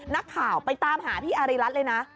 นักข่าวไปตามหาพี่อาริรัตน์เลยนะ